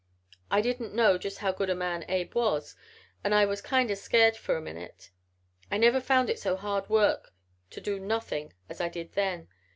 I didn't know just how good a man Abe was and I was kind o' scairt for a minute. I never found it so hard work to do nothin' as I did then.